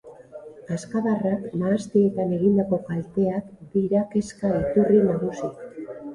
Kazkabarrak mahastietan egindako kalteak dira kezka iturri nagusi.